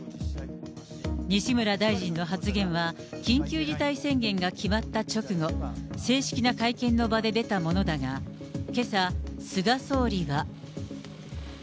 西村大臣の発言は、緊急事態宣言が決まった直後、正式な会見の場で出たものだが、けさ、菅総理は。